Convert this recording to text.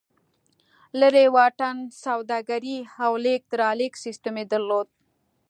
لرې واټن سوداګري او لېږد رالېږد سیستم یې درلود.